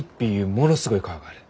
ものすごい川がある。